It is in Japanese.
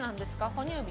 哺乳瓶？